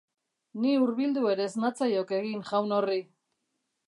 Ni hurbildu ere ez natzaiok egin jaun horri.